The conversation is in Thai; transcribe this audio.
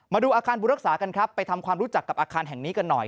มาดูอาคารบุรักษากันครับไปทำความรู้จักกับอาคารแห่งนี้กันหน่อย